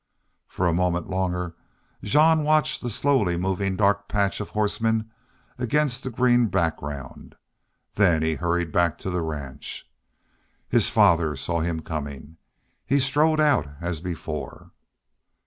For a moment longer Jean watched the slowly moving dark patch of horsemen against the green background, then he hurried back to the ranch. His father saw him coming strode out as before.